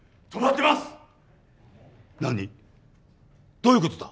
どういうことだ？